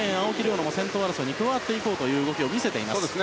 樹も先頭争いに加わっていく動きを見せています。